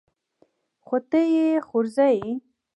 خو ته يې خورزه يې.